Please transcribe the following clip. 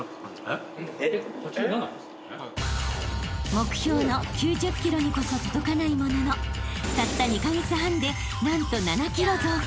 ［目標の９０ｋｇにこそ届かないもののたった２カ月半で何と７ｋｇ増加］